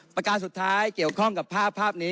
ประการสุดท้ายเกี่ยวข้องกับภาพภาพนี้